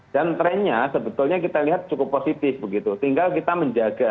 dan trendnya sebetulnya kita lihat cukup positif begitu tinggal kita menjaga